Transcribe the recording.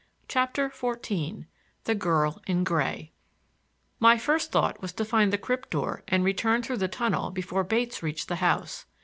CHAPTER XIV THE GIRL IN GRAY My first thought was to find the crypt door and return through the tunnel before Bates reached the house.